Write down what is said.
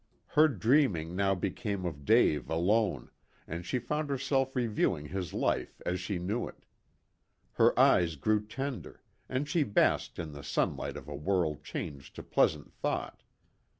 Her dreaming now became of Dave alone, and she found herself reviewing his life as she knew it. Her eyes grew tender, and she basked in the sunlight of a world changed to pleasant thought.